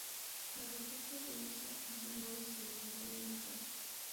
La respuesta de Urzúa hizo honor a su legendario mal carácter.